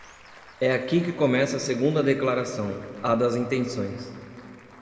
É aqui que começa a segunda declaração, a das intenções.